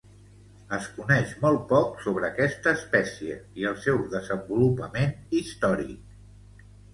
Es coneix molt poc sobre aquesta espècie i el seu desenvolupament històric.